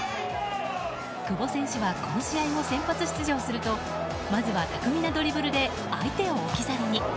久保選手はこの試合も先発出場するとまずは巧みなドリブルで相手を置き去りに。